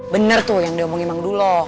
bener tuh yang diomongin mangdulo